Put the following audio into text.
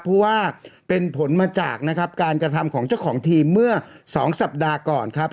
เพราะว่าเป็นผลมาจากนะครับการกระทำของเจ้าของทีมเมื่อ๒สัปดาห์ก่อนครับ